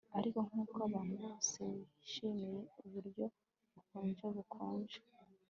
ariko nkuko abantu bose bishimiye uburyo bukonje bukonje